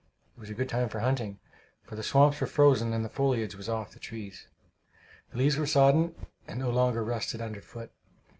It was a good time for hunting, for the swamps were frozen and the foliage was off the trees. The leaves were sodden, and no longer rustled underfoot.